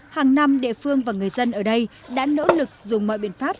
hàng năm địa phương và người dân ở đây đã nỗ lực dùng mọi biện pháp